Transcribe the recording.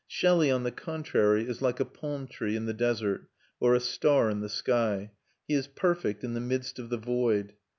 Shelley, on the contrary, is like a palm tree in the desert or a star in the sky; he is perfect in the midst of the void.